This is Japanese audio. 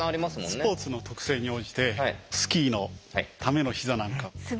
スポーツの特性に応じてスキーのための膝なんか。